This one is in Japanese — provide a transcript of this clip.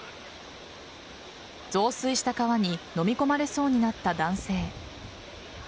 増水した川にのみ込まれそうになった男性。